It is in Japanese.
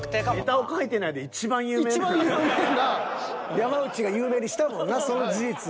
山内が有名にしたもんなその事実を。